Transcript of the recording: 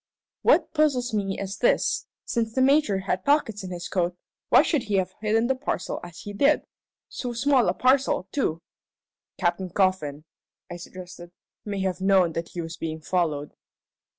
"What puzzles me is this: Since the Major had pockets in his coat, why should he have hidden the parcel as he did? So small a parcel, too!" "Captain Coffin," I suggested, "may have known that he was being followed."